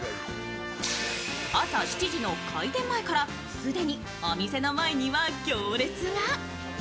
朝７時の開店前から既にお店の前には行列が。